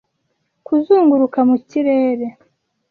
kuzunguruka mu kirere